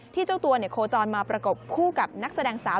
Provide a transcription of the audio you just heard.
เจ้าตัวโคจรมาประกบคู่กับนักแสดงสาว